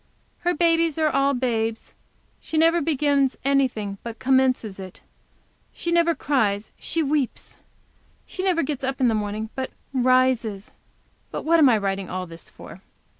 Her babies are all "babes"; she never begins anything but "commences" it; she never cries, she "weeps"; never gets up in the morning, but "rises." But what am I writing all this for?